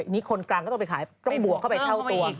นี่คนกลางก็ต้องไปขายต้องบวกเข้าไปเท่าตัว